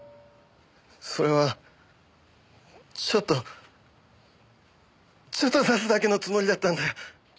それはちょっとちょっと刺すだけのつもりだったんだよ。